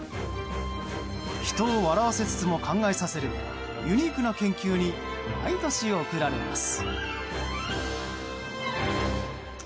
人を笑わせつつも考えさせるユニークな研究に毎年、贈られます。